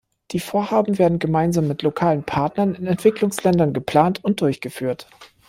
Die Vorhaben werden gemeinsam mit lokalen Partnern in den Entwicklungsländern geplant und durchgeführt.